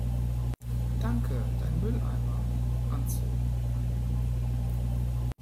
Danke Dein Mülleimer" anzogen.